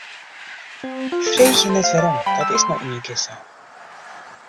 Freegje net wêrom, dat is no ienkear sa.